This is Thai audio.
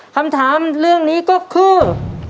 คำถามเรื่องนี้ก็คือ